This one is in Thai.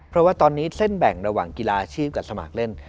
เพราะว่าตอนนี้เส้นแบ่งระหว่างกีฬาอาชีพกับสมัครเล่น